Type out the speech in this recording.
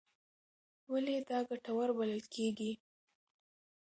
ولې دا ګټور بلل کېږي؟